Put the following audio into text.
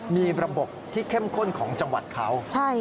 มีระบบที่เข้มข้นของจังหวัดเขา